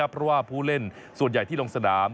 เพราะว่าผู้เล่นส่วนใหญ่ที่ลงสนาม